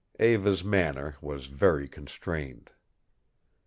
Eva's manner was very constrained.